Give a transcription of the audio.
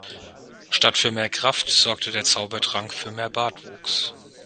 Statt für mehr Kraft sorgte der Zaubertrank für mehr Bartwuchs.